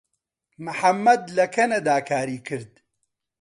محەممەد لە کەنەدا کاری کرد.